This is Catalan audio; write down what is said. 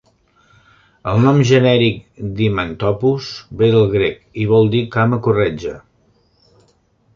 El nom genèric d'"himantopus" ve del grec i vol dir "cama corretja".